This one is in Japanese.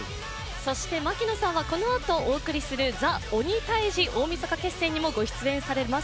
槙野さんはこのあとお送りする「ＴＨＥ鬼タイジ大晦日決戦」にもご出演されます。